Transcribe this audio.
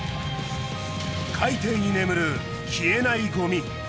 海底に眠る消えないごみ。